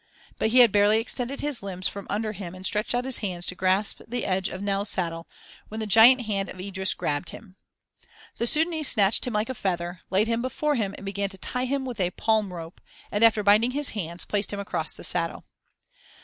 But he had barely extended his limbs from under him and stretched out his hands to grasp the edge of Nell's saddle, when the giant hand of Idris grabbed him. The Sudânese snatched him like a feather, laid him before him and began to tie him with a palm rope, and after binding his hands, placed him across the saddle.